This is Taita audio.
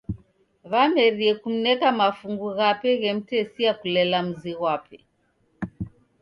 Wamerie kumneka mafungu ghape ghemtesia kulela mzi ghwape.